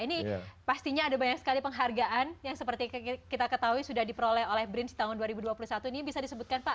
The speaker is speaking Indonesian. ini pastinya ada banyak sekali penghargaan yang seperti kita ketahui sudah diperoleh oleh brins tahun dua ribu dua puluh satu ini bisa disebutkan pak